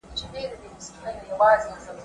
زه به مېوې وچولي وي